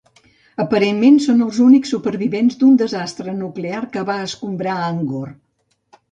Aparentment són els únics supervivents d'un desastre nuclear que va escombrar Angor.